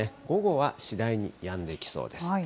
午後は次第にやんできそうです。